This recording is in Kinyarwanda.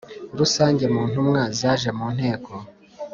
Rusange mu ntumwa zaje mu nteko